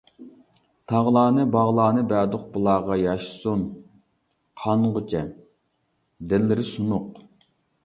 تاغلارنى، باغلارنى بەردۇق بۇلارغا ياشىسۇن قانغۇچە دىللىرى سۇنۇق.